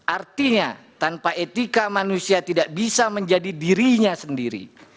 artinya tanpa etika manusia tidak bisa menjadi dirinya sendiri